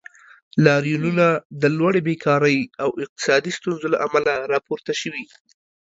لاریونونه د لوړې بیکارۍ او اقتصادي ستونزو له امله راپورته شوي.